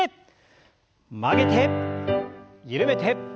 曲げて緩めて。